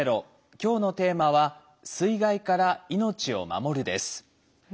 今日のテーマは「水害から命を守る」です。